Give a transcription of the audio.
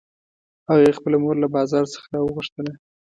هغې خپله مور له بازار څخه راوغوښتله